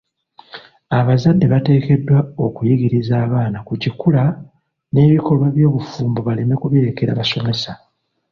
Abazadde bateekeddwa okuyigiriza abaana ku kikula n'ebikolwa by'obufumbo baleme birekera basomesa.